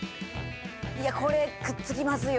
いやこれくっつきますよ